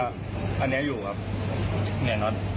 อันนี้อยู่ครับเนี่ยน็อต